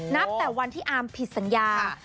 นับแต่วันที่อาร์มผิดสัญญา